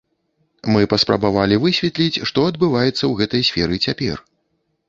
Мы паспрабавалі высветліць, што адбываецца ў гэтай сферы цяпер.